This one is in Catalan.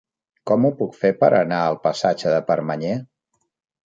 Com ho puc fer per anar al passatge de Permanyer?